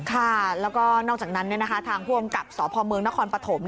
แล้วก็นอกจากนั้นทางพ่วงกับสพเมืองนครปฐม